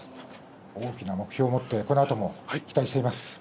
大きな目標を持ってこのあとも期待しています。